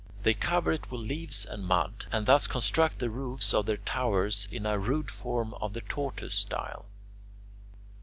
They cover it with leaves and mud, and thus construct the roofs of their towers in a rude form of the "tortoise" style.